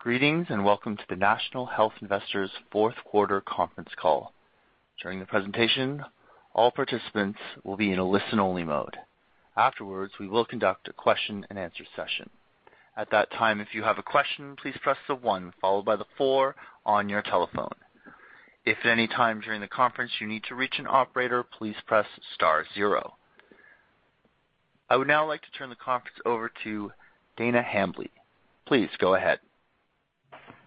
Greetings, and welcome to the National Health Investors Q4 conference call. During the presentation, all participants will be in a listen-only mode. Afterwards, we will conduct a question-and-answer session. At that time, if you have a question, please press one followed by four on your telephone. If at any time during the conference you need to reach an operator, please press star zero. I would now like to turn the conference over to Dana Hambly. Please go ahead.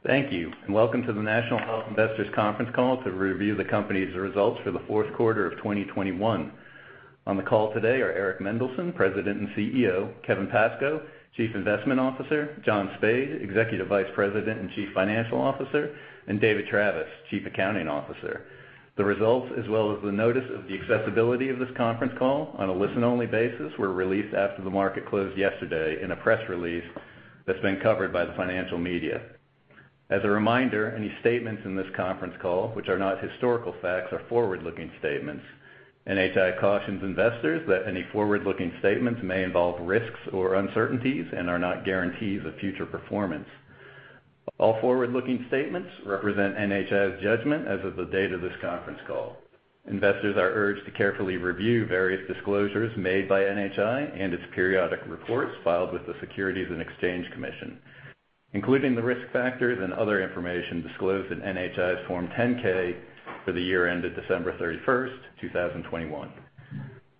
Thank you, and welcome to the National Health Investors conference call to review the company's results for Q4 of 2021. On the call today are Eric Mendelsohn, President and CEO, Kevin Pascoe, Chief Investment Officer, John Spaid, Executive Vice President and Chief Financial Officer, and David Travis, Chief Accounting Officer. The results, as well as the notice of the accessibility of this conference call on a listen-only basis, were released after the market closed yesterday in a press release that's been covered by the financial media. As a reminder, any statements in this conference call which are not historical facts are forward-looking statements. NHI cautions investors that any forward-looking statements may involve risks or uncertainties and are not guarantees of future performance. All forward-looking statements represent NHI's judgment as of the date of this conference call. Investors are urged to carefully review various disclosures made by NHI and its periodic reports filed with the Securities and Exchange Commission, including the risk factors and other information disclosed in NHI's Form 10-K for the year ended December 31st, 2021.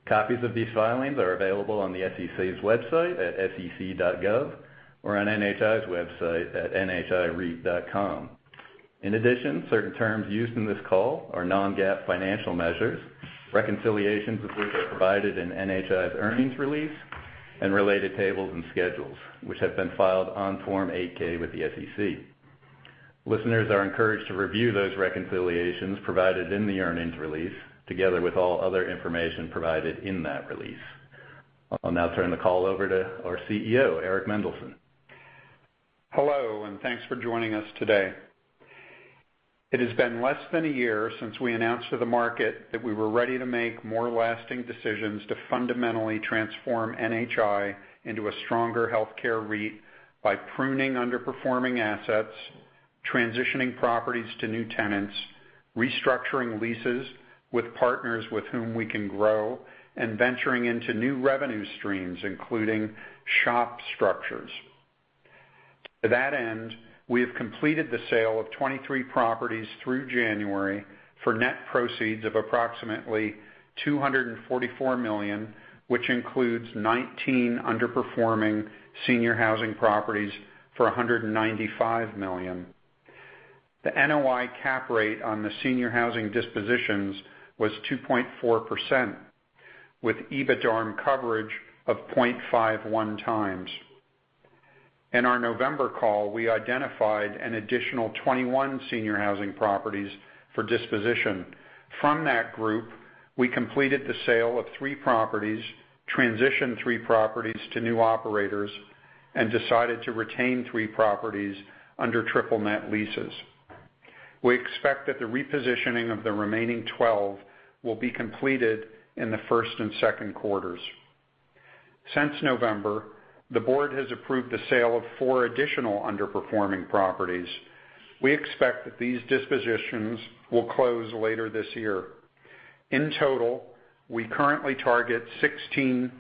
Copies of these filings are available on the SEC's website at sec.gov or on NHI's website at nhireit.com. In addition, certain terms used in this call are non-GAAP financial measures, reconciliations of which are provided in NHI's earnings release and related tables and schedules, which have been filed on Form 8-K with the SEC. Listeners are encouraged to review those reconciliations provided in the earnings release together with all other information provided in that release. I'll now turn the call over to our CEO, Eric Mendelsohn. Hello, thanks for joining us today. It has been less than a year since we announced to the market that we were ready to make more lasting decisions to fundamentally transform NHI into a stronger healthcare REIT by pruning underperforming assets, transitioning properties to new tenants, restructuring leases with partners with whom we can grow, and venturing into new revenue streams, including SHOP structures. To that end, we have completed the sale of 23 properties through January for net proceeds of approximately $244 million, which includes 19 underperforming senior housing properties for $195 million. The NOI cap rate on the senior housing dispositions was 2.4% with EBITDARM coverage of 0.51 times. In our November call, we identified an additional 21 senior housing properties for disposition. From that group, we completed the sale of three properties, transitioned three properties to new operators, and decided to retain three properties under triple net leases. We expect that the repositioning of the remaining 12 will be completed in Q1 and Q2. Since November, the board has approved the sale of four additional underperforming properties. We expect that these dispositions will close later this year. In total, we currently target 16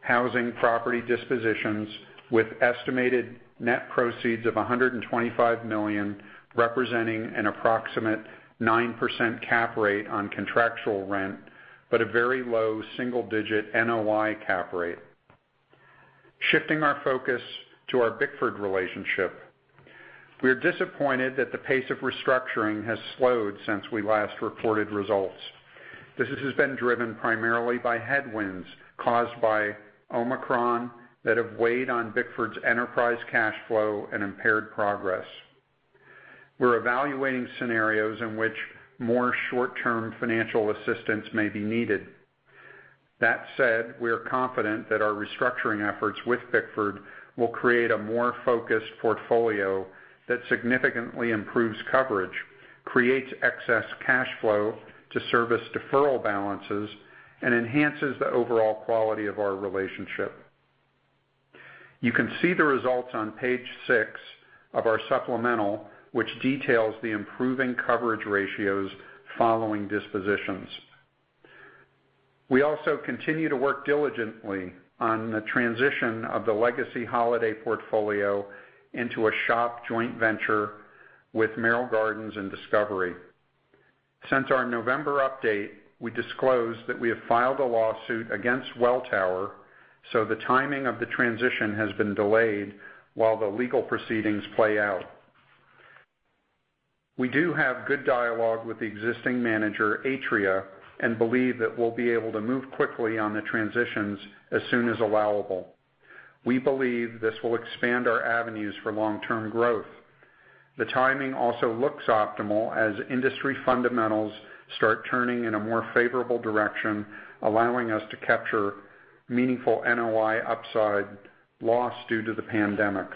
housing property dispositions with estimated net proceeds of $125 million, representing an approximate 9% cap rate on contractual rent, but a very low single-digit NOI cap rate. Shifting our focus to our Bickford relationship, we are disappointed that the pace of restructuring has slowed since we last reported results. This has been driven primarily by headwinds caused by Omicron that have weighed on Bickford's enterprise cash flow and impaired progress. We're evaluating scenarios in which more short-term financial assistance may be needed. That said, we are confident that our restructuring efforts with Bickford will create a more focused portfolio that significantly improves coverage, creates excess cash flow to service deferral balances, and enhances the overall quality of our relationship. You can see the results on page 6 of our supplemental, which details the improving coverage ratios following dispositions. We also continue to work diligently on the transition of the legacy Holiday portfolio into a SHOP joint venture with Merrill Gardens and Discovery. Since our November update, we disclosed that we have filed a lawsuit against Welltower, so the timing of the transition has been delayed while the legal proceedings play out. We do have good dialogue with the existing manager, Atria, and believe that we'll be able to move quickly on the transitions as soon as allowable. We believe this will expand our avenues for long-term growth. The timing also looks optimal as industry fundamentals start turning in a more favorable direction, allowing us to capture meaningful NOI upside lost due to the pandemic.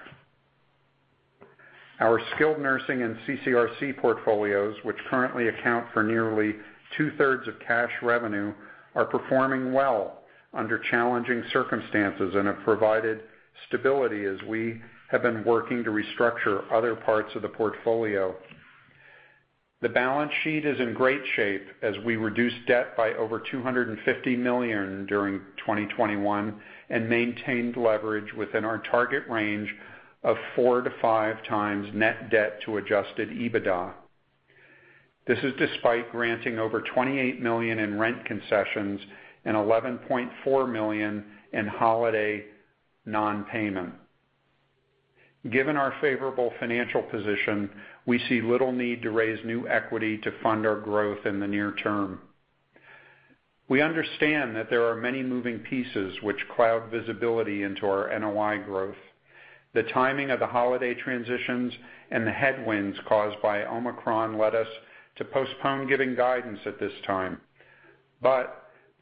Our skilled nursing and CCRC portfolios, which currently account for nearly two-thirds of cash revenue, are performing well under challenging circumstances and have provided stability as we have been working to restructure other parts of the portfolio. The balance sheet is in great shape as we reduce debt by over $250 million during 2021 and maintained leverage within our target range of four to five times net debt to adjusted EBITDA. This is despite granting over $28 million in rent concessions and $11.4 million in Holiday nonpayment. Given our favorable financial position, we see little need to raise new equity to fund our growth in the near term. We understand that there are many moving pieces which cloud visibility into our NOI growth. The timing of the Holiday transitions and the headwinds caused by Omicron led us to postpone giving guidance at this time.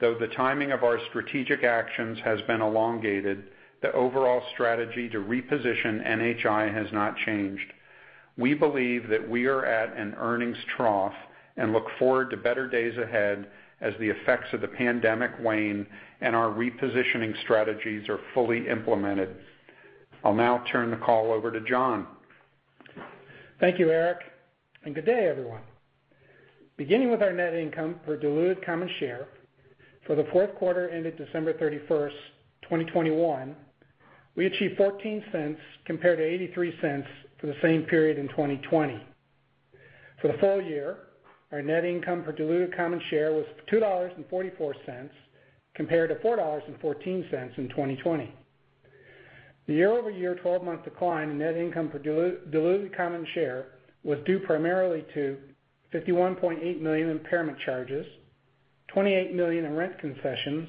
Though the timing of our strategic actions has been elongated, the overall strategy to reposition NHI has not changed. We believe that we are at an earnings trough and look forward to better days ahead as the effects of the pandemic wane and our repositioning strategies are fully implemented. I'll now turn the call over to John. Thank you, Eric, and good day, everyone. Beginning with our net income per diluted common share for Q4 ended December 31st, 2021, we achieved $0.14 compared to $0.83 for the same period in 2020. For the full year, our net income per diluted common share was $2.44 compared to $4.14 in 2020. The year-over-year 12-month decline in net income per diluted common share was due primarily to $51.8 million impairment charges, $28 million in rent concessions,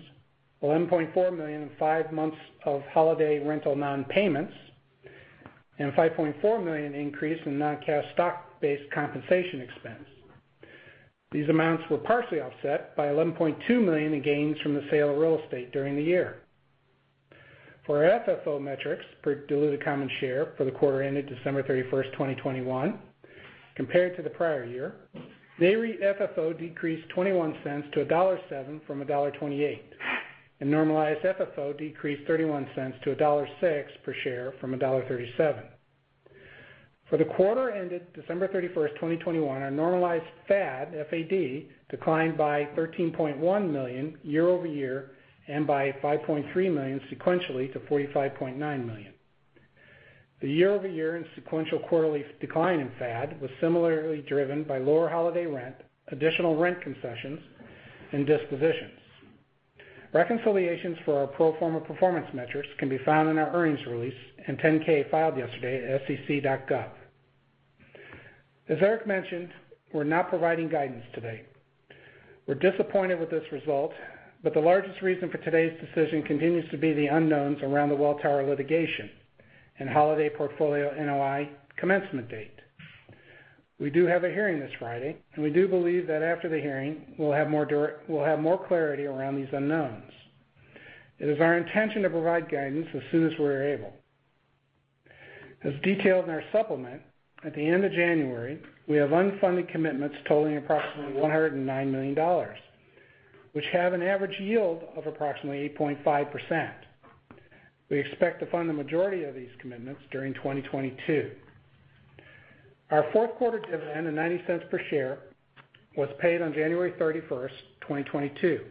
$11.4 million in five months of Holiday rental nonpayments, and $5.4 million increase in non-cash stock-based compensation expense. These amounts were partially offset by $11.2 million in gains from the sale of real estate during the year. For our FFO metrics per diluted common share for the quarter ended December 31st, 2021 compared to the prior year, they read FFO decreased $0.21 to $1.07 from $1.28. Normalized FFO decreased $0.31 to $1.06 per share from $1.37. For the quarter ended December 31st, 2021, our normalized FAD, F-A-D, declined by $13.1 million year-over-year and by $5.3 million sequentially to $45.9 million. The year-over-year and sequential quarterly decline in FAD was similarly driven by lower Holiday rent, additional rent concessions, and dispositions. Reconciliations for our pro forma performance metrics can be found in our earnings release and 10-K filed yesterday at sec.gov. As Eric mentioned, we're not providing guidance today. We're disappointed with this result, but the largest reason for today's decision continues to be the unknowns around the Welltower litigation and holiday portfolio NOI commencement date. We do have a hearing this Friday, and we do believe that after the hearing, we'll have more clarity around these unknowns. It is our intention to provide guidance as soon as we are able. As detailed in our supplement, at the end of January, we have unfunded commitments totaling approximately $109 million, which have an average yield of approximately 8.5%. We expect to fund the majority of these commitments during 2022. Our Q4 dividend of $0.90 per share was paid on January 31st, 2022,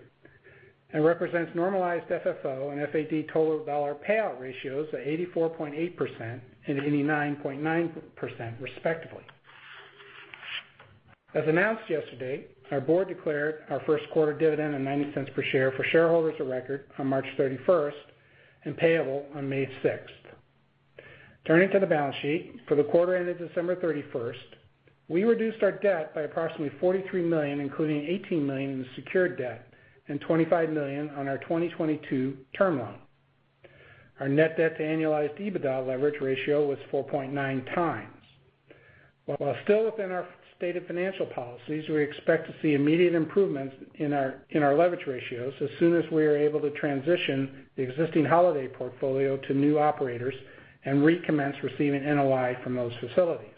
and represents normalized FFO and FAD total dollar payout ratios of 84.8% and 89.9%, respectively. As announced yesterday, our board declared our Q1 dividend of $0.90 per share for shareholders of record on March 31st and payable on May 6th. Turning to the balance sheet. For the quarter ended December 31st, we reduced our debt by approximately $43 million, including $18 million in the secured debt and $25 million on our 2022 term loan. Our net debt to annualized EBITDA leverage ratio was 4.9 times. While still within our stated financial policies, we expect to see immediate improvements in our leverage ratios as soon as we are able to transition the existing holiday portfolio to new operators and recommence receiving NOI from those facilities.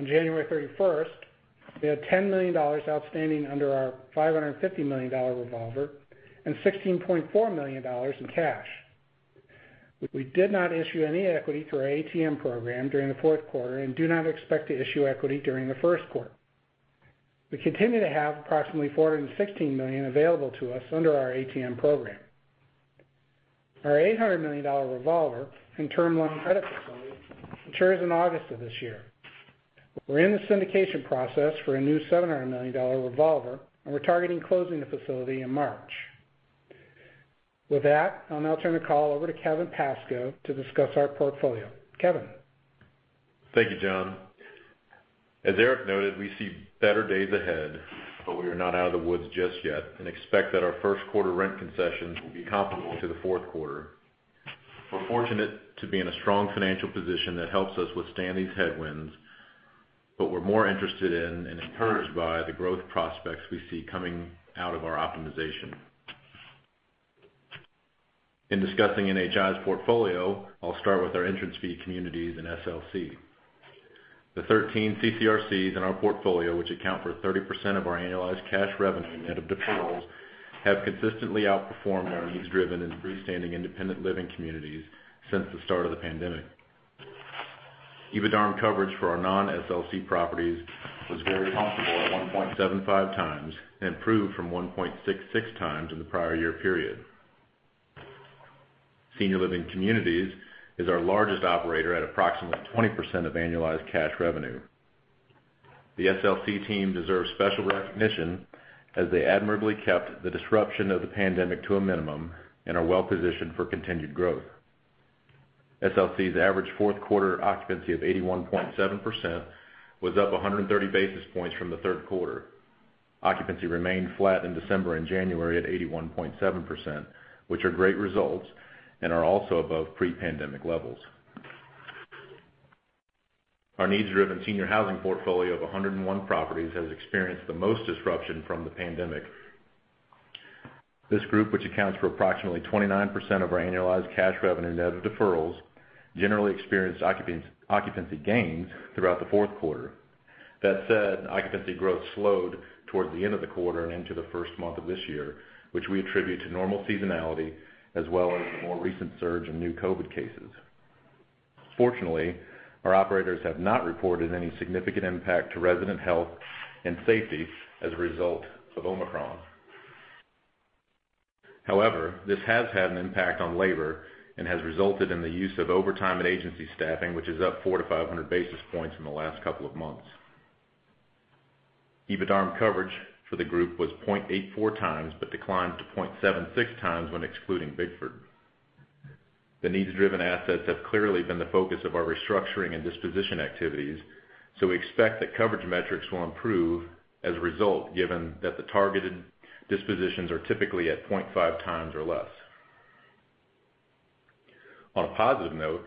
On January 31st, we had $10 million outstanding under our $550 million revolver and $16.4 million in cash. We did not issue any equity through our ATM program during Q4 and do not expect to issue equity during Q1. We continue to have approximately $416 million available to us under our ATM program. Our $800 million revolver and term loan credit facility matures in August of this year. We're in the syndication process for a new $700 million revolver, and we're targeting closing the facility in March. With that, I'll now turn the call over to Kevin Pascoe to discuss our portfolio. Kevin? Thank you, John. As Eric noted, we see better days ahead, but we are not out of the woods just yet and expect that our Q1 rent concessions will be comparable to Q4 We're fortunate to be in a strong financial position that helps us withstand these headwinds, but we're more interested in and encouraged by the growth prospects we see coming out of our optimization. In discussing NHI's portfolio, I'll start with our entrance fee communities in SLC. The 13 CCRCs in our portfolio, which account for 30% of our annualized cash revenue net of deferrals, have consistently outperformed our needs-driven and freestanding independent living communities since the start of the pandemic. EBITDARM coverage for our non-SLC properties was very comfortable at 1.75 times, improved from 1.66 times in the prior year period. Senior Living Communities is our largest operator at approximately 20% of annualized cash revenue. The SLC team deserves special recognition as they admirably kept the disruption of the pandemic to a minimum and are well-positioned for continued growth. SLC's average Q4 occupancy of 81.7% was up 130 basis points from Q3. Occupancy remained flat in December and January at 81.7%, which are great results and are also above pre-pandemic levels. Our needs-driven senior housing portfolio of 101 properties has experienced the most disruption from the pandemic. This group, which accounts for approximately 29% of our annualized cash revenue net of deferrals, generally experienced occupancy gains throughout Q4. That said, occupancy growth slowed towards the end of the quarter and into the first month of this year, which we attribute to normal seasonality as well as the more recent surge in new COVID cases. Fortunately, our operators have not reported any significant impact to resident health and safety as a result of Omicron. However, this has had an impact on labor and has resulted in the use of overtime and agency staffing, which is up 400-500 basis points in the last couple of months. EBITDARM coverage for the group was 0.84 times, but declined to 0.76 times when excluding Bickford. The needs-driven assets have clearly been the focus of our restructuring and disposition activities, so we expect that coverage metrics will improve as a result, given that the targeted dispositions are typically at 0.5 times or less. On a positive note,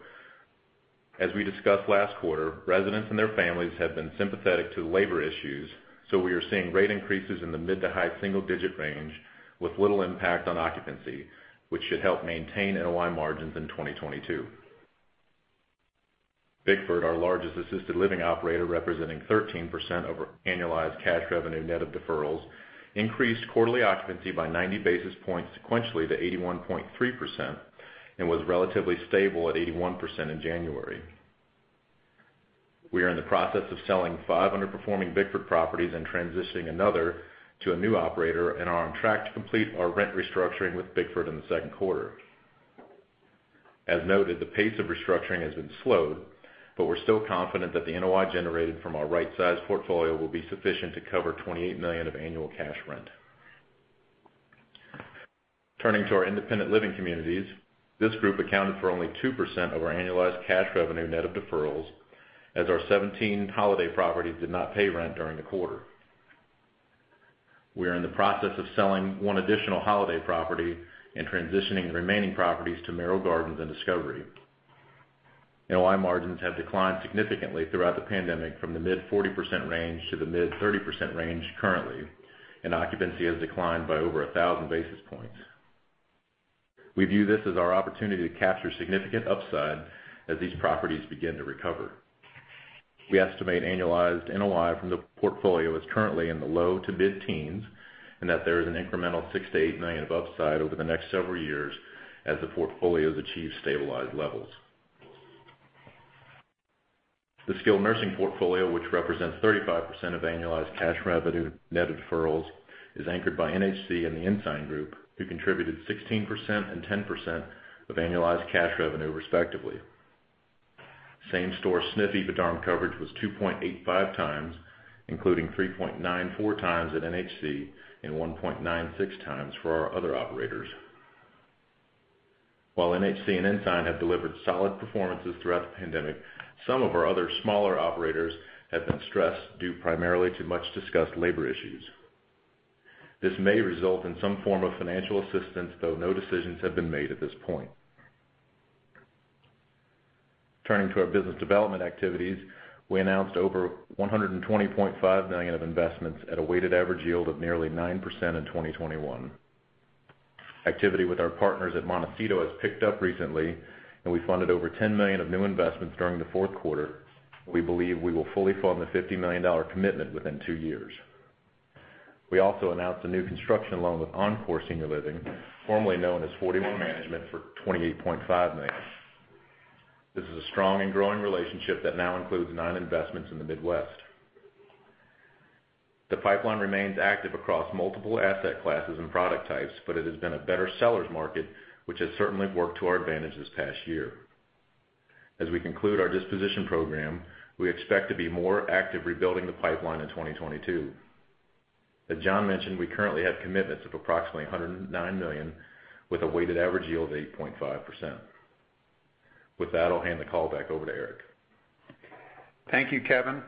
as we discussed last quarter, residents and their families have been sympathetic to labor issues, so we are seeing rate increases in the mid- to high-single-digit range with little impact on occupancy, which should help maintain NOI margins in 2022. Bickford, our largest assisted living operator, representing 13% of our annualized cash revenue net of deferrals, increased quarterly occupancy by 90 basis points sequentially to 81.3% and was relatively stable at 81% in January. We are in the process of selling five underperforming Bickford properties and transitioning another to a new operator and are on track to complete our rent restructuring with Bickford in Q2. As noted, the pace of restructuring has been slowed, but we're still confident that the NOI generated from our right-sized portfolio will be sufficient to cover $28 million of annual cash rent. Turning to our independent living communities, this group accounted for only 2% of our annualized cash revenue net of deferrals, as our 17 Holiday properties did not pay rent during the quarter. We are in the process of selling one additional Holiday property and transitioning the remaining properties to Merrill Gardens and Discovery. NOI margins have declined significantly throughout the pandemic from the mid-40% range to the mid-30% range currently, and occupancy has declined by over 1,000 basis points. We view this as our opportunity to capture significant upside as these properties begin to recover. We estimate annualized NOI from the portfolio is currently in the low-to-mid teens, and that there is an incremental $6 million-$8 million of upside over the next several years as the portfolios achieve stabilized levels. The skilled nursing portfolio, which represents 35% of annualized cash revenue net of deferrals, is anchored by NHC and the Ensign Group, who contributed 16% and 10% of annualized cash revenue, respectively. Same-store SNF EBITDARM coverage was 2.85 times, including 3.94 times at NHC and 1.96 times for our other operators. While NHC and Ensign have delivered solid performances throughout the pandemic, some of our other smaller operators have been stressed due primarily to much-discussed labor issues. This may result in some form of financial assistance, though no decisions have been made at this point. Turning to our business development activities, we announced over $120.5 million of investments at a weighted average yield of nearly 9% in 2021. Activity with our partners at Montecito has picked up recently, and we funded over $10 million of new investments during Q4. We believe we will fully fund the $50 million commitment within two years. We also announced a new construction loan with Encore Senior Living, formerly known as 41 Management, for $28.5 million. This is a strong and growing relationship that now includes nine investments in the Midwest. The pipeline remains active across multiple asset classes and product types, but it has been a better seller's market, which has certainly worked to our advantage this past year. As we conclude our disposition program, we expect to be more active rebuilding the pipeline in 2022. As John mentioned, we currently have commitments of approximately $109 million with a weighted average yield of 8.5%. With that, I'll hand the call back over to Eric. Thank you, Kevin.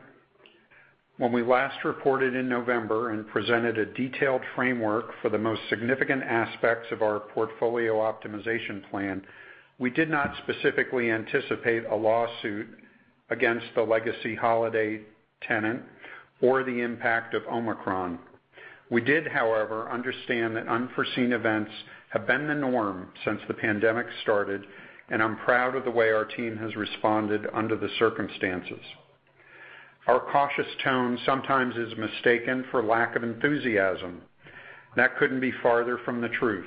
When we last reported in November and presented a detailed framework for the most significant aspects of our portfolio optimization plan, we did not specifically anticipate a lawsuit against the legacy Holiday tenant or the impact of Omicron. We did, however, understand that unforeseen events have been the norm since the pandemic started, and I'm proud of the way our team has responded under the circumstances. Our cautious tone sometimes is mistaken for lack of enthusiasm. That couldn't be farther from the truth,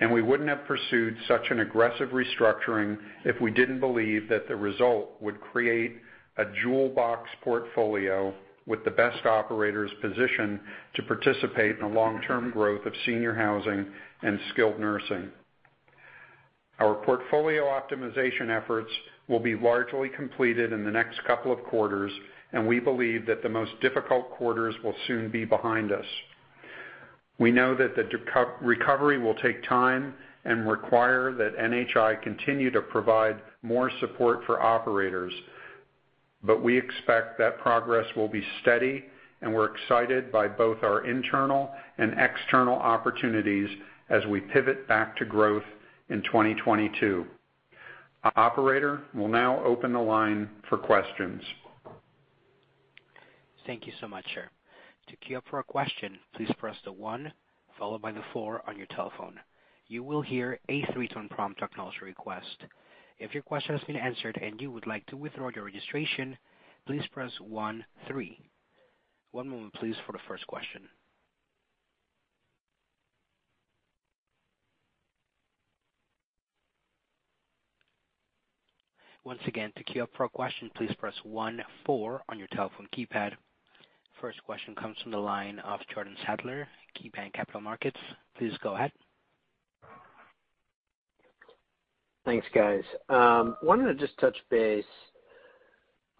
and we wouldn't have pursued such an aggressive restructuring if we didn't believe that the result would create a jewel box portfolio with the best operators positioned to participate in the long-term growth of senior housing and skilled nursing. Our portfolio optimization efforts will be largely completed in the next couple of quarters, and we believe that the most difficult quarters will soon be behind us. We know that the recovery will take time and require that NHI continue to provide more support for operators. We expect that progress will be steady, and we're excited by both our internal and external opportunities as we pivot back to growth in 2022. Operator, we'll now open the line for questions. First question comes from the line of Jordan Sadler, KeyBanc Capital Markets. Please go ahead. Thanks, guys. I wanted to just touch base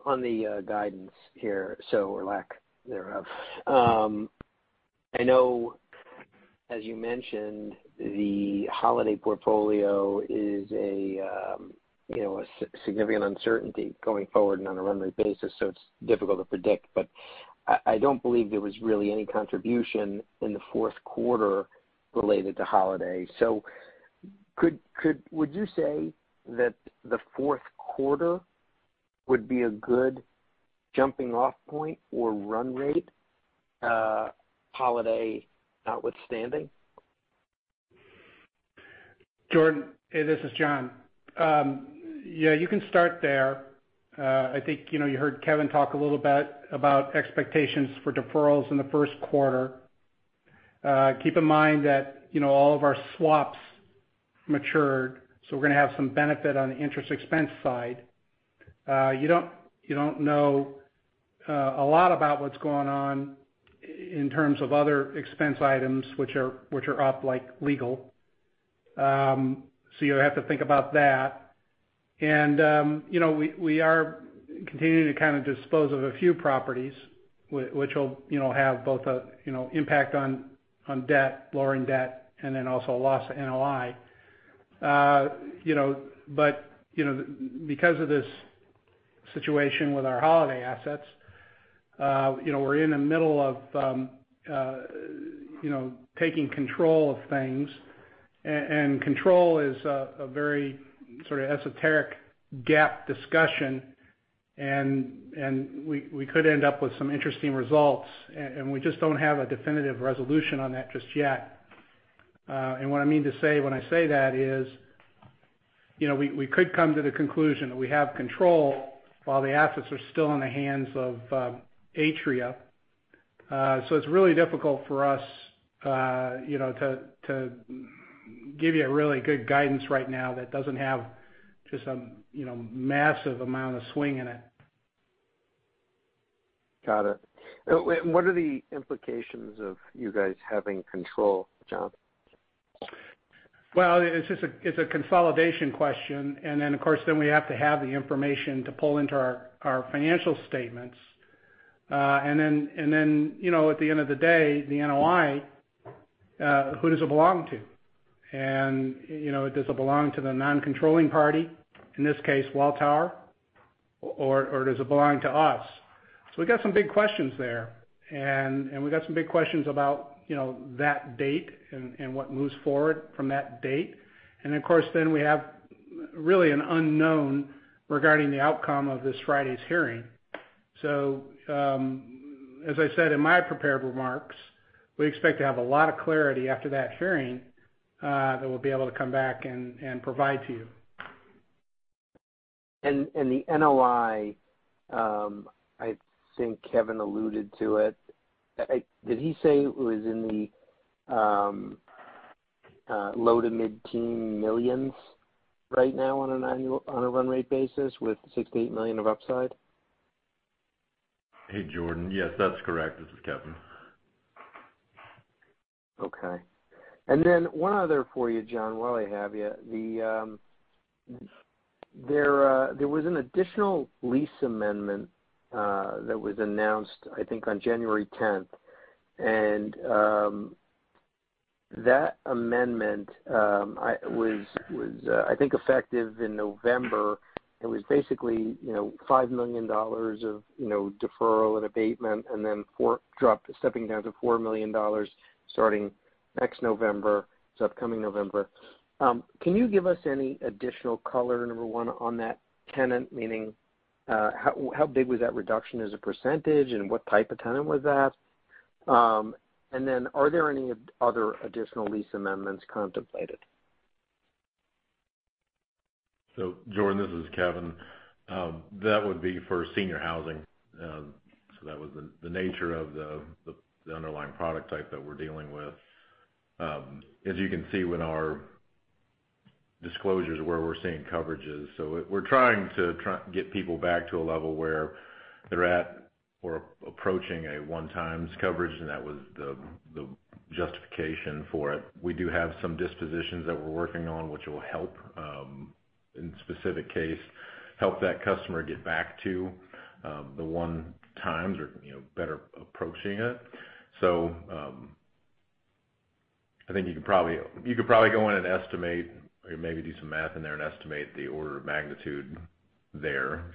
on the guidance here, or lack thereof. I know, as you mentioned, the Holiday portfolio is a significant uncertainty going forward and on a run rate basis, so it's difficult to predict. I don't believe there was really any contribution in Q4 related to Holiday. Could you say that Q4 would be a good jumping off point or run rate, Holiday notwithstanding? Jordan, hey, this is John. You can start there. I think you heard Kevin talk a little about expectations for deferrals in Q1. Keep in mind that all of our swaps matured, so we're going to have some benefit on the interest expense side. You don't know a lot about what's going on in terms of other expense items which are up, like legal. YOu have to think about that. We are continuing to kind of dispose of a few properties which wil have both a impact on debt, lowering debt, and then also a loss of NOI. Because of this situation with our Holiday assets we're in the middle of taking control of things. Control is a very esoteric GAAP discussion, and we could end up with some interesting results. We just don't have a definitive resolution on that just yet. What I mean to say when I say that is we could come to the conclusion that we have control while the assets are still in the hands of Atria. It's really difficult for us to give you a really good guidance right now that doesn't have just a massive amount of swing in it. Got it. What are the implications of you guys having control, John? Well, it's a consolidation question, and then, of course, we have to have the information to pull into our financial statements. At the end of the day, the NOI, who does it belong to? Does it belong to the non-controlling party, in this case Welltower, or does it belong to us? We've got some big questions there. We've got some big questions about that date and what moves forward from that date. Of course, we have really an unknown regarding the outcome of this Friday's hearing. As I said in my prepared remarks, we expect to have a lot of clarity after that hearing that we'll be able to come back and provide to you. The NOI, I think Kevin alluded to it. Did he say it was in the low to mid-teen millions right now on an annual run rate basis with $6 million-$8 million of upside? Hey, Jordan. Yes, that's correct. This is Kevin. Okay. One other for you, John, while I have you. There was an additional lease amendment that was announced, I think, on January 10th. That amendment I think was effective in November. It was basically, $5 million of deferral and abatement and then dropped, stepping down to $4 million starting next November, so upcoming November. Can you give us any additional color, number one, on that tenant, meaning how big was that reduction as a percentage, and what type of tenant was that? Are there any other additional lease amendments contemplated? Jordan, this is Kevin. That would be for senior housing. That was the nature of the underlying product type that we're dealing with. As you can see with our disclosures where we're seeing coverages. We're trying to get people back to a level where they're at or approaching a 1x coverage, and that was the justification for it. We do have some dispositions that we're working on, which will help, in specific case, help that customer get back to the 1x or better approaching it. I think you could probably go in and estimate or maybe do some math in there and estimate the order of magnitude there.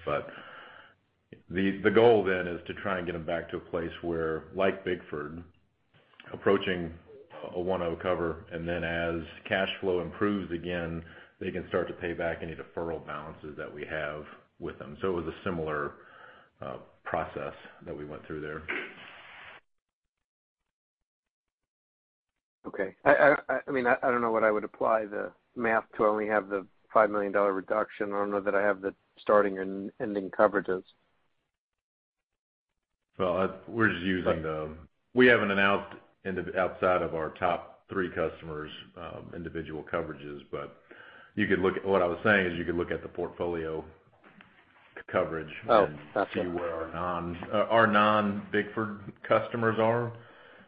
The goal then is to try and get them back to a place where, like Bickford, approaching a 1.0 cover, and then as cash flow improves again, they can start to pay back any deferral balances that we have with them. It was a similar process that we went through there. Okay. I don't know what I would apply the math to only have the $5 million reduction. I don't know that I have the starting and ending coverages. We haven't announced outside of our top three customers, individual coverages. What I was saying is you could look at the portfolio coverage. Got you. We can see where our non-Bickford customers are,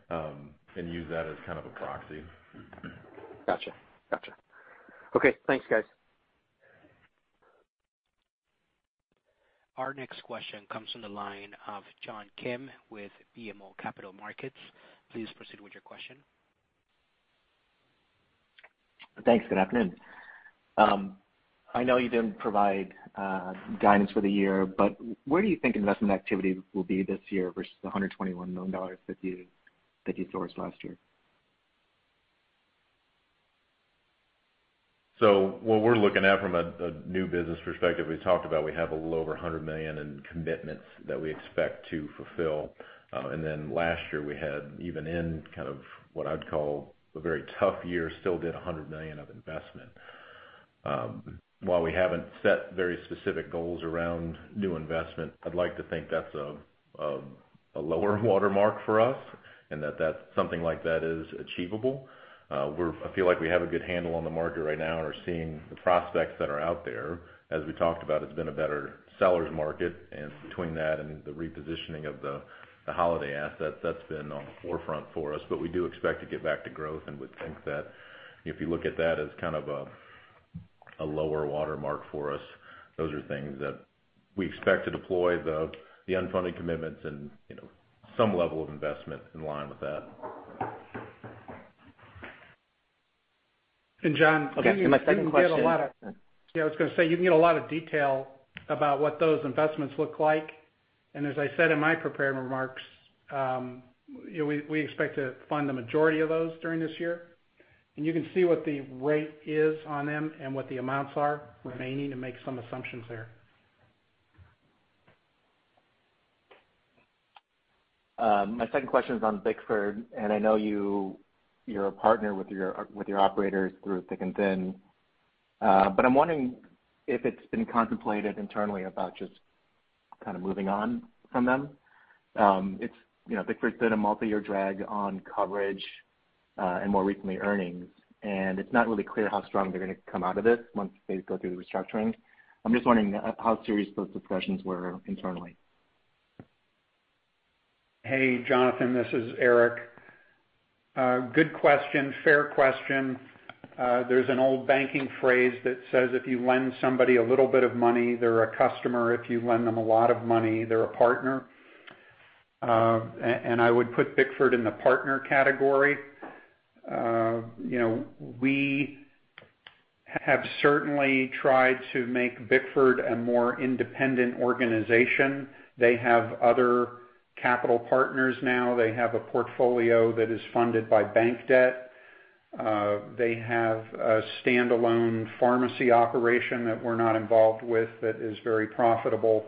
and use that as a proxy. Got you. Okay, thanks guys. Our next question comes from the line of John Kim with BMO Capital Markets. Please proceed with your question. Thanks. Good afternoon. I know you didn't provide guidance for the year, but where do you think investment activity will be this year versus the $121 million that you sourced last year? What we're looking at from a new business perspective, we talked about we have a little over $100 million in commitments that we expect to fulfill. Last year, we had even in what I'd call a very tough year, still did $100 million of investment. While we haven't set very specific goals around new investment, I'd like to think that's a lower watermark for us, and that that's something like that is achievable. I feel like we have a good handle on the market right now and are seeing the prospects that are out there. As we talked about, it's been a better seller's market, and between that and the repositioning of the Holiday assets, that's been on the forefront for us. We do expect to get back to growth and would think that if you look at that as a lower watermark for us, those are things that we expect to deploy the unfunded commitments and some level of investment in line with that. Hey, John. Okay. My second question- I was going to say you can get a lot of detail about what those investments look like. As I said in my prepared remarks we expect to fund the majority of those during this year. You can see what the rate is on them and what the amounts are. We may need to make some assumptions there. My second question is on Bickford, and I know you're a partner with your operators through thick and thin. I'm wondering if it's been contemplated internally about just kind of moving on from them. It's Bickford's been a multi-year drag on coverage, and more recently, earnings, and it's not really clear how strong they're going to come out of this once they go through the restructuring. I'm just wondering how serious those discussions were internally. Hey, John, this is Eric. Good question. Fair question. There's an old banking phrase that says, if you lend somebody a little bit of money, they're a customer. If you lend them a lot of money, they're a partner. I would put Bickford in the partner category. We have certainly tried to make Bickford a more independent organization. They have other capital partners now. They have a portfolio that is funded by bank debt. They have a standalone pharmacy operation that we're not involved with that is very profitable.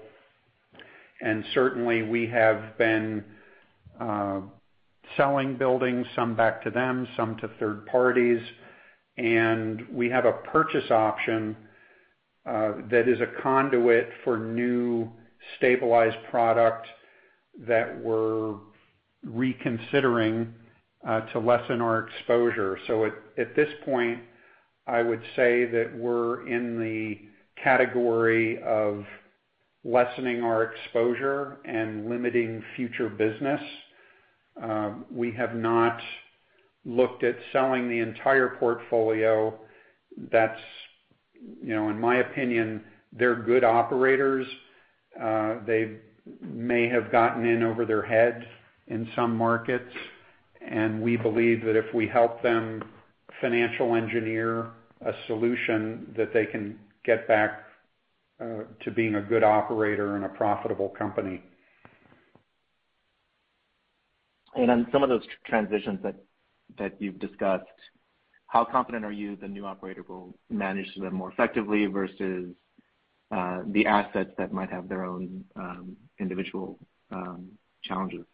Certainly, we have been selling buildings, some back to them, some to third parties. We have a purchase option that is a conduit for new stabilized product that we're reconsidering to lessen our exposure. At this point, I would say that we're in the category of lessening our exposure and limiting future business. We have not looked at selling the entire portfolio. That's in my opinion, they're good operators. They may have gotten in over their heads in some markets, and we believe that if we help them financial engineer a solution, that they can get back to being a good operator and a profitable company. On some of those transitions that you've discussed, how confident are you the new operator will manage them more effectively versus the assets that might have their own individual challenges?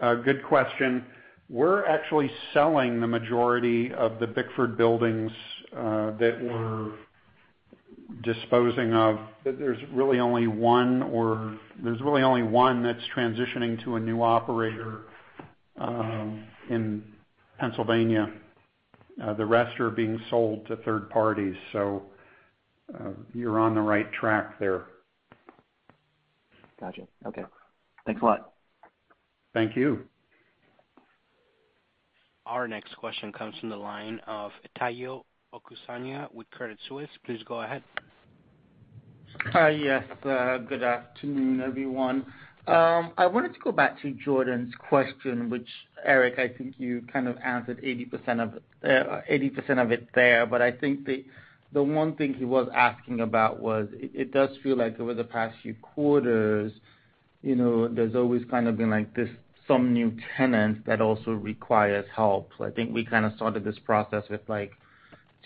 Good question. We're actually selling the majority of the Bickford buildings that we're disposing of. There's really only one that's transitioning to a new operator in Pennsylvania. The rest are being sold to third parties, so you're on the right track there. Got you. Okay. Thanks a lot. Thank you. Our next question comes from the line of Omotayo Okusanya with Credit Suisse. Please go ahead. Hi, yes. Good afternoon, everyone. I wanted to go back to Jordan's question, which Eric, I think you answered 80% of it there. I think the one thing he was asking about was it does feel like over the past few quarters there's always been some new tenant that also requires help. I think we started this process with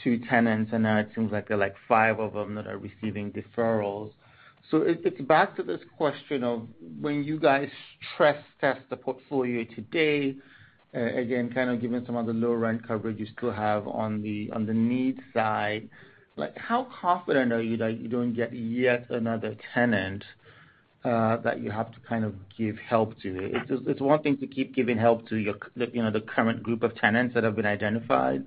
two tenants, and now it seems like there are five of them that are receiving deferrals. It's back to this question of when you guys stress test the portfolio today, again, given some of the low rent coverage you still have on the SNF side, how confident are you that you don't get yet another tenant that you have to give help to? It's one thing to keep giving help to the current group of tenants that have been identified,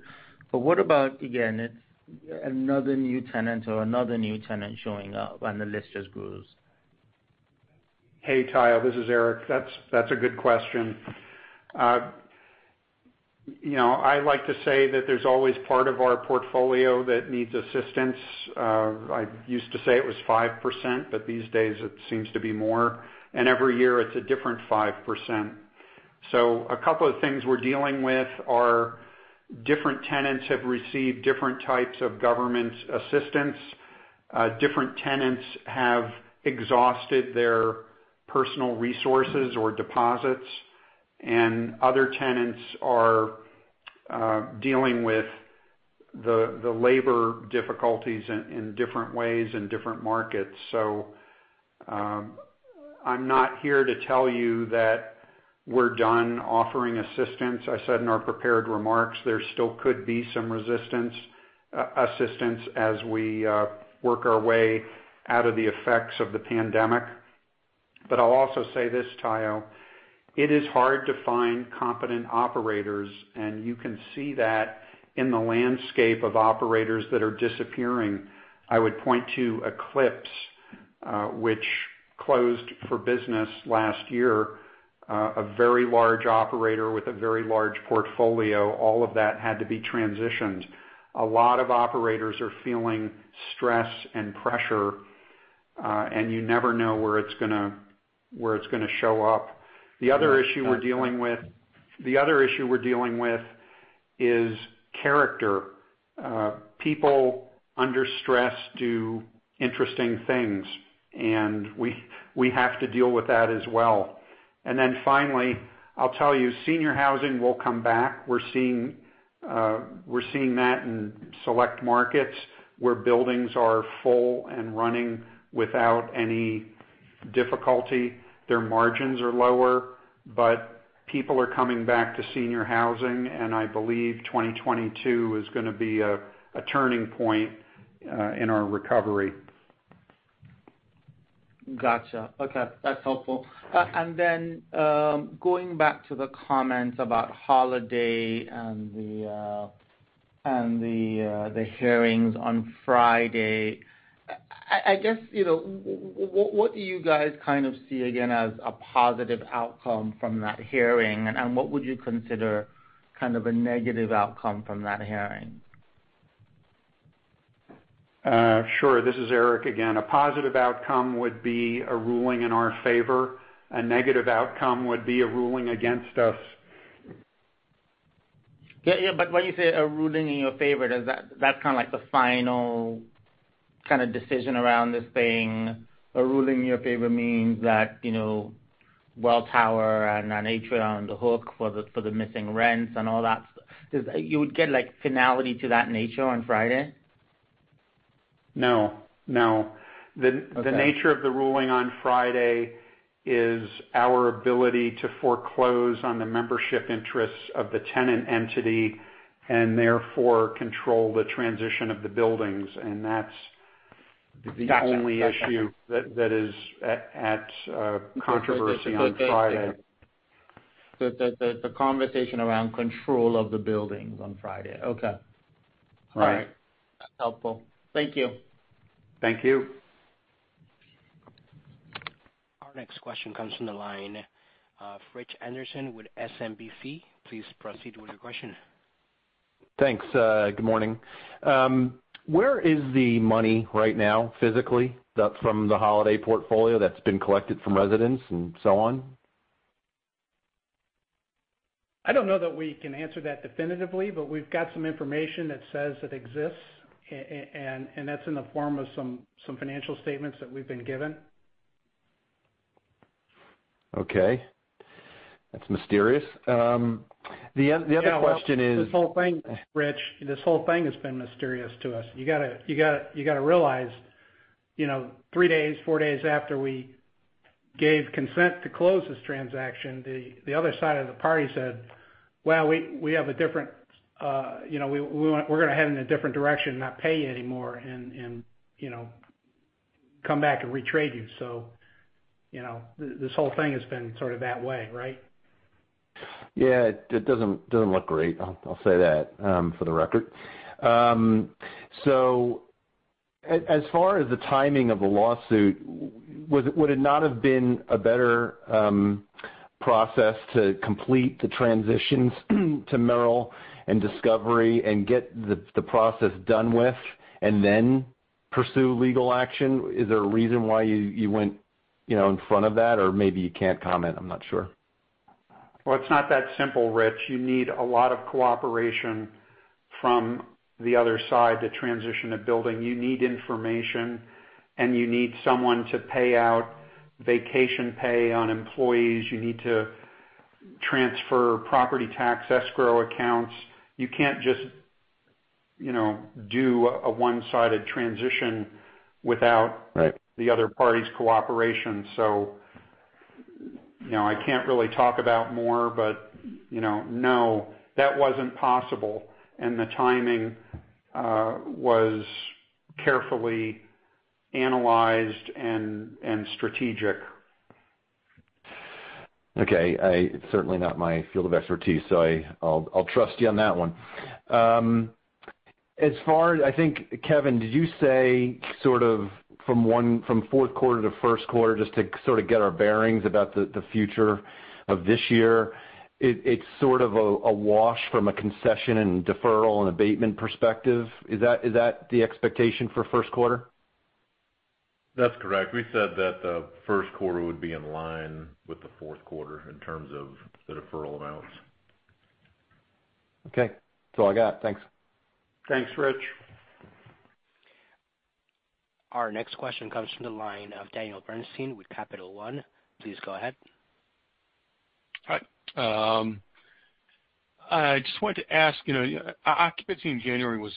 but what about, again, another new tenant or another new tenant showing up, and the list just grows? Hey, Tayo, this is Eric. That's a good question. I like to say that there's always part of our portfolio that needs assistance. I used to say it was 5%, but these days it seems to be more. Every year it's a different 5%. A couple of things we're dealing with are different tenants have received different types of government assistance. Different tenants have exhausted their personal resources or deposits, and other tenants are dealing with the labor difficulties in different ways in different markets. I'm not here to tell you that we're done offering assistance. I said in our prepared remarks there still could be some assistance as we work our way out of the effects of the pandemic. I'll also say this, Tayo, it is hard to find competent operators, and you can see that in the landscape of operators that are disappearing. I would point to Eclipse, which closed for business last year. A very large operator with a very large portfolio. All of that had to be transitioned. A lot of operators are feeling stress and pressure, and you never know where it's going to show up. The other issue we're dealing with is character. People under stress do interesting things, and we have to deal with that as well. Then finally, I'll tell you, senior housing will come back. We're seeing that in select markets where buildings are full and running without any difficulty. Their margins are lower, but people are coming back to senior housing, and I believe 2022 is going to be a turning point in our recovery. Got you. Okay. That's helpful. Then, going back to the comments about Holiday and the hearings on Friday, what do you guys kind of see again as a positive outcome from that hearing? What would you consider a negative outcome from that hearing? Sure. This is Eric again. A positive outcome would be a ruling in our favor. A negative outcome would be a ruling against us. Yes. When you say a ruling in your favor, that's the final decision around this thing. A ruling in your favor means that Welltower and Atria are on the hook for the missing rents and all that. You would get like finality to that nature on Friday? No. Okay. The nature of the ruling on Friday is our ability to foreclose on the membership interests of the tenant entity and therefore control the transition of the buildings. That's the only issue that is at controversy on Friday. The conversation around control of the buildings on Friday. Okay. Right. All right. That's helpful. Thank you. Thank you. Our next question comes from the line of Rich Anderson with SMBC. Please proceed with your question. Thanks. Good morning. Where is the money right now physically that's from the Holiday portfolio that's been collected from residents and so on? I don't know that we can answer that definitively, but we've got some information that says it exists, and that's in the form of some financial statements that we've been given. Okay. That's mysterious. Yes. The other question is. Rich, this whole thing has been mysterious to us. You got to realize three days, four days after we gave consent to close this transaction, the other side of the party said, "Well, we're going to head in a different direction and not pay you anymore and come back and re-trade you." This whole thing has been sort of that way, right? Yes. It doesn't look great, I'll say that for the record. As far as the timing of the lawsuit, would it not have been a better process to complete the transitions to Merrill and Discovery and get the process done with and then pursue legal action? Is there a reason why you went in front of that? Or maybe you can't comment, I'm not sure. Well, it's not that simple, Rich. You need a lot of cooperation from the other side to transition a building. You need information, and you need someone to pay out vacation pay on employees. You need to transfer property tax escrow accounts. You can't just do a one-sided transition without the other party's cooperation. I can't really talk about more, but no that wasn't possible. The timing was carefully analyzed and strategic. Okay. Certainly not my field of expertise, so I'll trust you on that one. I think, Kevin, did you say from Q4 to Q1, just to get our bearings about the future of this year, it's a wash from a concession and deferral and abatement perspective. Is that the expectation for Q1? That's correct. We said that Q1 would be in line with Q4 in terms of the deferral amounts. Okay. That's all I got. Thanks. Thanks, Rich. Our next question comes from the line of Daniel Bernstein with Capital One. Please go ahead. Hi. I just wanted to ask occupancy in January was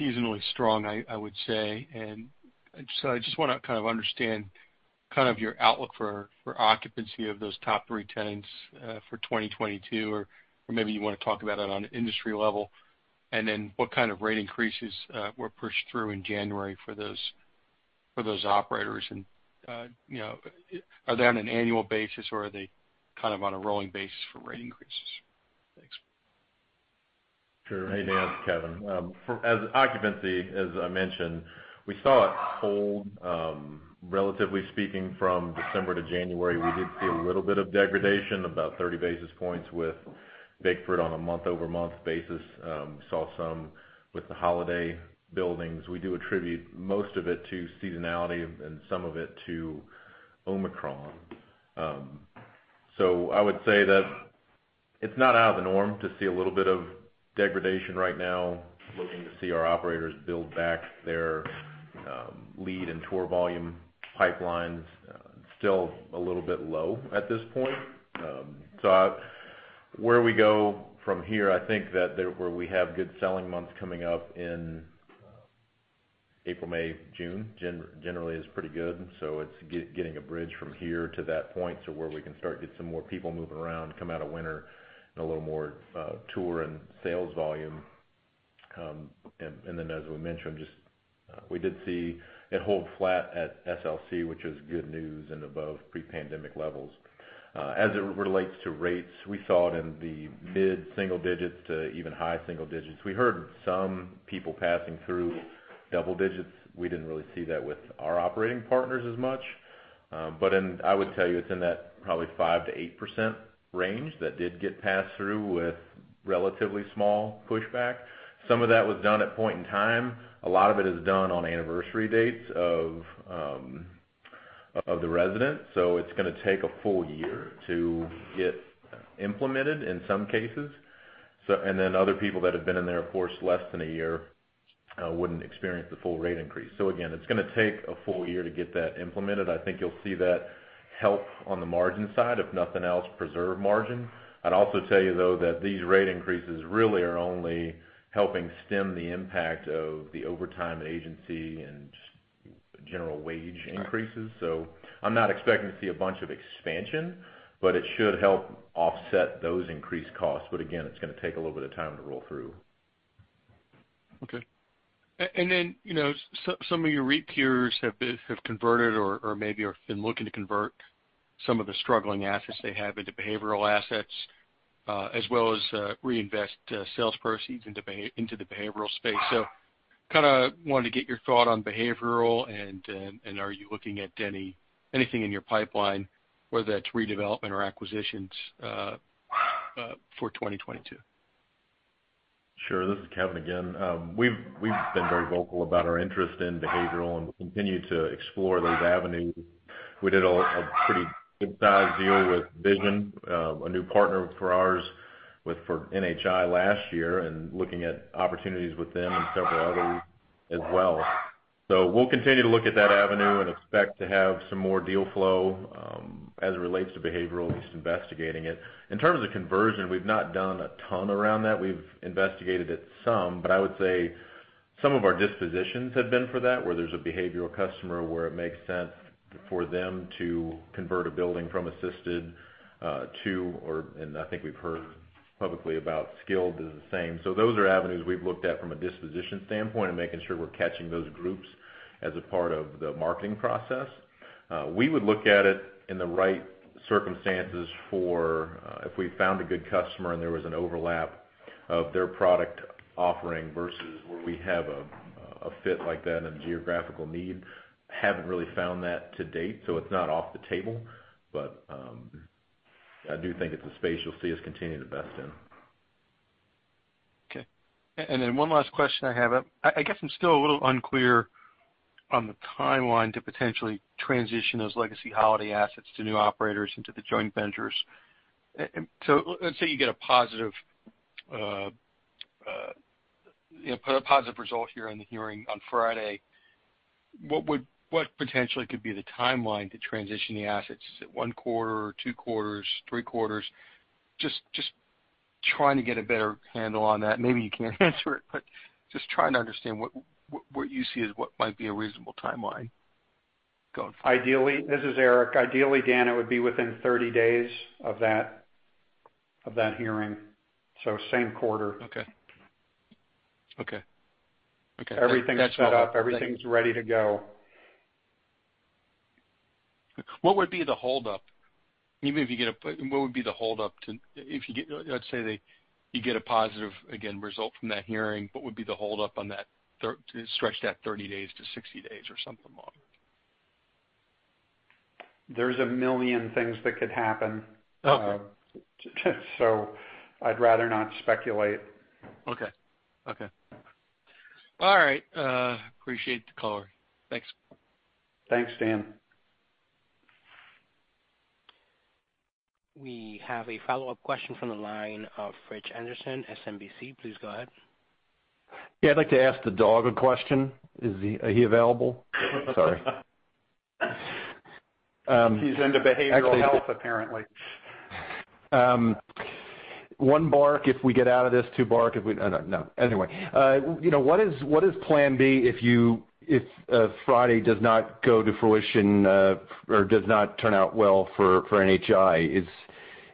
seasonally strong, I would say. I just want to understand your outlook for occupancy of those top three tenants for 2022, or maybe you want to talk about it on an industry level. What rate increases were pushed through in January for those operators? Are they on an annual basis, or are they on a rolling basis for rate increases? Thanks. Sure. I can answer, Kevin. As occupancy, as I mentioned, we saw it hold relatively speaking from December to January. We did see a little bit of degradation, about 30 basis points with Bickford on a month-over-month basis. We saw some with the holiday buildings. We do attribute most of it to seasonality and some of it to Omicron. I would say that it's not out of the norm to see a little bit of degradation right now, looking to see our operators build back their lead and tour volume pipelines. Still a little bit low at this point. Where we go from here, I think that where we have good selling months coming up in April, May, June, generally is pretty good, so it's getting a bridge from here to that point to where we can start to get some more people moving around, come out of winter and a little more tour and sales volume. As we mentioned, just we did see it hold flat at SLC, which is good news and above pre-pandemic levels. As it relates to rates, we saw it in the mid-single digits to even high single digits. We heard some people passing through double digits. We didn't really see that with our operating partners as much. But I would tell you it's in that probably 5%-8% range that did get passed through with relatively small pushback. Some of that was done at a point in time. A lot of it is done on anniversary dates of the residents, so it's going to take a full year to get implemented in some cases. Other people that have been in there, of course, less than a year, wouldn't experience the full rate increase. Again, it's going to take a full year to get that implemented. I think you'll see that help on the margin side, if nothing else, preserve margin. I'd also tell you, though, that these rate increases really are only helping stem the impact of the overtime agency and general wage increases. I'm not expecting to see a bunch of expansion, but it should help offset those increased costs. Again, it's going to take a little bit of time to roll through. Okay. Then, some of your REIT peers have converted or maybe are looking to convert some of the struggling assets they have into behavioral assets, as well as reinvest sales proceeds into the behavioral space. Wanted to get your thought on behavioral and are you looking at anything in your pipeline, whether that's redevelopment or acquisitions for 2022? Sure. This is Kevin again. We've been very vocal about our interest in behavioral, and we'll continue to explore those avenues. We did a pretty good size deal with Vision, a new partner of ours for NHI last year and looking at opportunities with them and several others as well. We'll continue to look at that avenue and expect to have some more deal flow, as it relates to behavioral, at least investigating it. In terms of conversion, we've not done a ton around that. We've investigated it some, but I would say some of our dispositions have been for that, where there's a behavioral customer where it makes sense for them to convert a building from assisted too and I think we've heard publicly about skilled as the same. Those are avenues we've looked at from a disposition standpoint and making sure we're catching those groups as a part of the marketing process. We would look at it in the right circumstances for if we found a good customer and there was an overlap of their product offering versus where we have a fit like that and geographical need. Haven't really found that to date, so it's not off the table. I do think it's a space you'll see us continue to invest in. Okay. One last question I have. I guess I'm still a little unclear on the timeline to potentially transition those legacy Holiday assets to new operators into the joint ventures. Let's say you get a positive a positive result here in the hearing on Friday, what potentially could be the timeline to transition the assets? Is it one quarter or two quarters, three quarters? Just trying to get a better handle on that. Maybe you can't answer it, but just trying to understand what you see as what might be a reasonable timeline going forward. This is Eric. Ideally, Dan, it would be within 30 days of that hearing, so same quarter. Okay. Everything's set up. Everything's ready to go. What would be the holdup, even if you get a positive result from that hearing, to stretch that 30 days to 60 days or something longer? There's a million things that could happen. Okay. I'd rather not speculate. Okay. All right. Appreciate the call. Thanks. Thanks, Dan. We have a follow-up question from the line of Richard Anderson, SMBC. Please go ahead. Yes, I'd like to ask the dog a question. Is he available? Sorry. He's into behavioral health, apparently. Anyway, what is plan B if Friday does not go to fruition, or does not turn out well for NHI?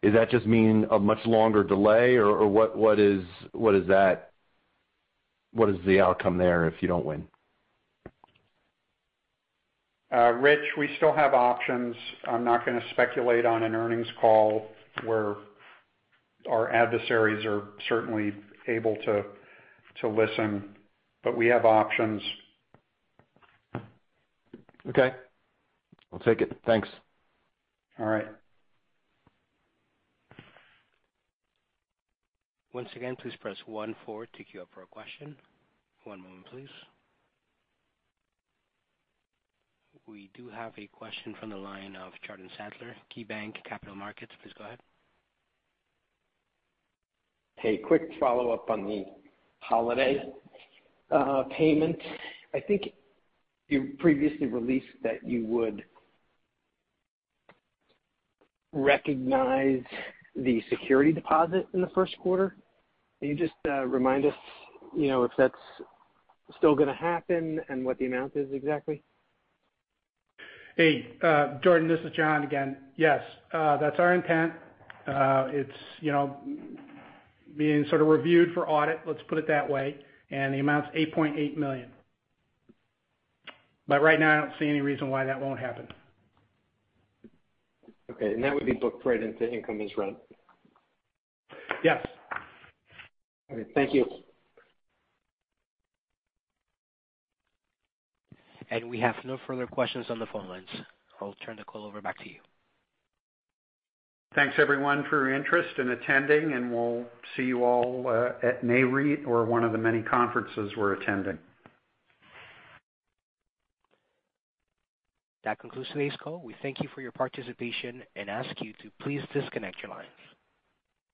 Is that just mean a much longer delay or what is that? What is the outcome there if you don't win? Rich, we still have options. I'm not going to speculate on an earnings call where our adversaries are certainly able to listen, but we have options. Okay. I'll take it. Thanks. All right. Once again, please press one to queue up for a question. One moment, please. We do have a question from the line of Jordan Sadler, KeyBanc Capital Markets. Please go ahead. Hey. Quick follow-up on the Holiday payment. I think you previously released that you would recognize the security deposit in Q1. Can you just remind us if that's still going to happen and what the amount is exactly? Hey, Jordan, this is John again. Yes, that's our intent. It's being reviewed for audit, let's put it that way. The amount's $8.8 million. Right now, I don't see any reason why that won't happen. Okay. That would be booked right into income as rent? Yes. Okay. Thank you. We have no further questions on the phone lines. I'll turn the call over back to you. Thanks, everyone, for your interest in attending, and we'll see you all at Nareit or one of the many conferences we're attending. That concludes today's call. We thank you for your participation and ask you to please disconnect your lines.